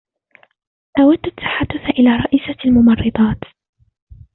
أود التحدث إلى رئيسة الممرضات.